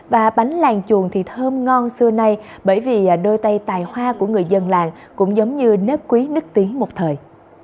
và bánh làng chuồng thì thơm ngon xưa nay bởi vì đôi tay tài hoa của người dân làng cũng giống như nếp quý nức tiếng một thời